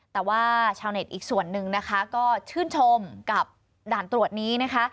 แต่ว่าชาวเน็ตอีกส่วนหนึ่งนะคะก็ชื่นชมกับด่านตรวจนี้นะคะ